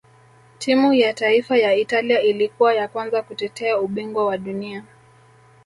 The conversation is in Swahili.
timu ya taifa ya italia ilikuwa ya kwanza kutetea ubingwa wa dunia